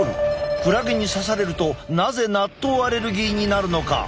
クラゲに刺されるとなぜ納豆アレルギーになるのか？